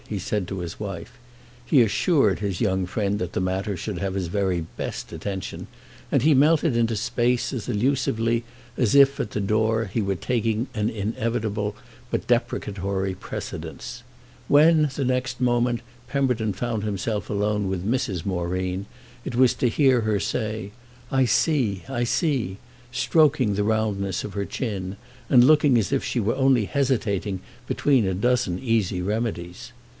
he said to his wife. He assured his young friend that the matter should have his very best attention; and he melted into space as elusively as if, at the door, he were taking an inevitable but deprecatory precedence. When, the next moment, Pemberton found himself alone with Mrs. Moreen it was to hear her say "I see, I see"—stroking the roundness of her chin and looking as if she were only hesitating between a dozen easy remedies.